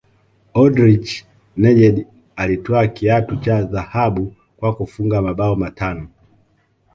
oldrich nejedly alitwaa kiatu cha dhahabu kwa kufunga mabao matano